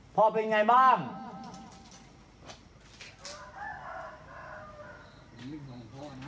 เป็นไงบ้าง